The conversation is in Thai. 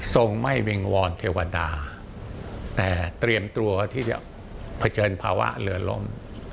ส่งไม่วิงวอนเทวดาแต่เตรียมตัวที่จะเผชิญภาวะเรือล้ม